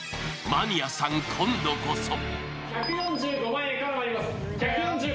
マニアさん、今度こそ。